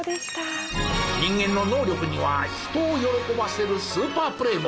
人間の能力には人を喜ばせるスーパープレーも。